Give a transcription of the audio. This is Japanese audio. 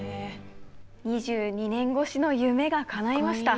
２２年越しの夢がかないました。